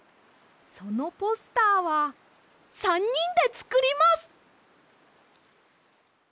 そのポスターは３にんでつくります！